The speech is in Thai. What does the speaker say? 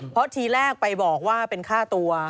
เพราะทีแรกไปบอกว่าเป็นค่าตัว